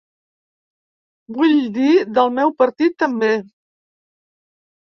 Vull dir del meu partit, també.